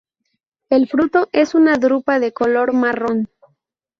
El fruto es una drupa de color marrón.